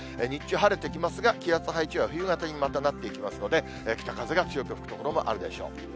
日中晴れてきますが、気圧配置は冬型にまたなっていきますので、北風が強く吹く所もあるでしょう。